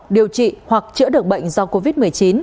điều trị hoặc chữa được bệnh do covid một mươi chín